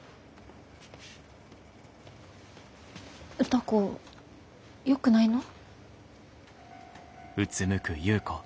歌子よくないの？